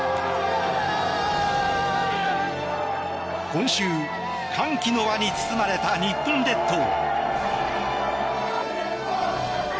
今週、歓喜の輪に包まれた日本列島。